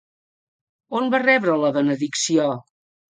On va rebre la benedicció?